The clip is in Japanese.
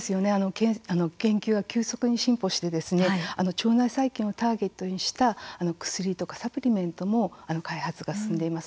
研究が急速に進歩して腸内細菌をターゲットにした薬とかサプリメントも開発が進んでいます。